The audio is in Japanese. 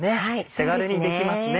手軽にできますね。